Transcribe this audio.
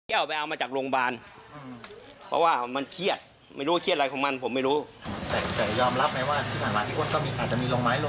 แต่ยอมรับไหมว่าที่ผ่านหลายที่คนก็มีอาจจะมีลงไม้ลงมืออยู่ครับ